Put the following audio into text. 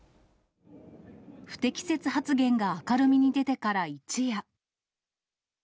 不適切発言が明るみに出てから一夜。